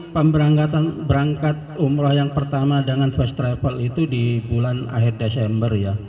pemberangkatan berangkat umroh yang pertama dengan first travel itu di bulan akhir desember ya